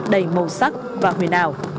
đầy màu sắc và huyền ảo